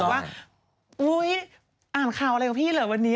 แล้วเขาบอกว่าอุ้ยอ่านข่าวอะไรกับพี่เลยวันนี้